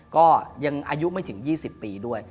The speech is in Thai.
ก็ยังอายุไม่ถึง๒๐ปีด้วย